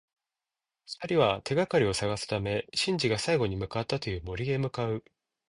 二人は、手がかりを探すためシンジが最後に向かったという森へ向かう。